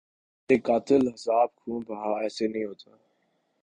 مرے قاتل حساب خوں بہا ایسے نہیں ہوتا